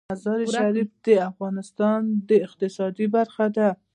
مزارشریف د افغانستان د اقتصاد برخه ده.